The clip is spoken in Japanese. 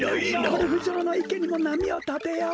ゴルフじょうのいけにもなみをたてよう！